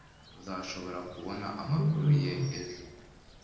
uzashobora kubona amakuru ye ejo